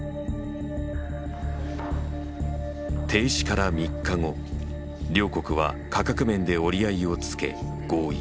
停止から３日後両国は価格面で折り合いをつけ合意。